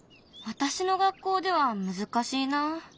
私の学校では難しいなあ。